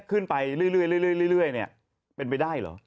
ขึ้นไปเรื่อยเนี่ยเป็นไปได้เหรอ